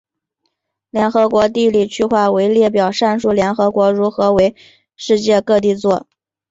联合国地理区划列表阐述联合国如何为世界各地作。